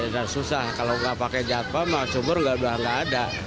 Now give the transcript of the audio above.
dan susah kalau nggak pakai jalan pag sumur nggak ada